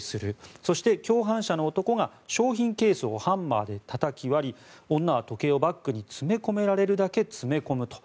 そして、共犯者の男が商品ケースをハンマーでたたき割り女は時計をバッグに詰め込められるだけ詰め込むと。